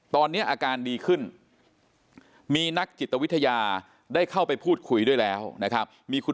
ตอนนี้อาการดีขึ้นมีนักจิตวิทยาได้เข้าไปพูดคุยด้วยแล้วนะครับมีคุณ